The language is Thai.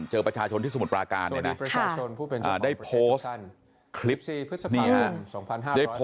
เจอประชาชนที่สมุทรปราการเนี่ยนะได้โพสต์คลิป